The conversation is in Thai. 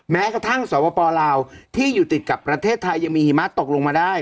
แม้กระทั่งสวปลาวที่อยู่ติดกับประเทศไทยยังมีหิมะตกลงมาได้